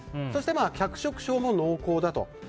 そして脚色賞も濃厚だと。